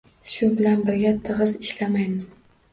Shu bilan birga tig‘iz ishlamaymiz.